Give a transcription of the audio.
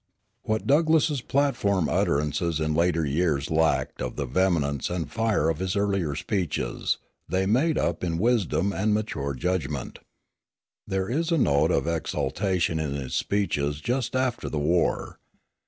What Douglass's platform utterances in later years lacked of the vehemence and fire of his earlier speeches, they made up in wisdom and mature judgment. There is a note of exultation in his speeches just after the war.